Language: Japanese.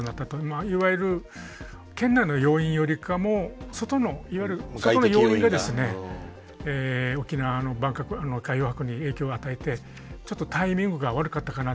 いわゆる県内の要因よりかも外の外の要因が沖縄の海洋博に影響を与えてちょっとタイミングが悪かったかなという感じはしております。